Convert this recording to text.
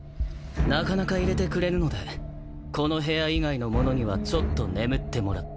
なかなか入れてくれぬのでこの部屋以外の者にはちょっと眠ってもらった。